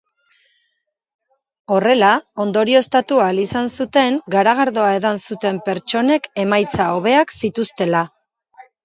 Horrela, ondorioztatu ahal izan zuten garagardoa edan zuten pertsonek emaitza hobeak zituztela.